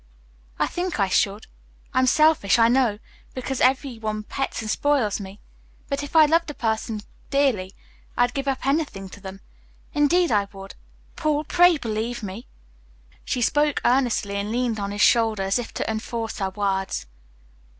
"I think I should. I'm selfish, I know, because everyone pets and spoils me, but if I loved a person dearly I'd give up anything to them. Indeed I would, Paul, pray believe me." She spoke earnestly, and leaned on his shoulder as if to enforce her words.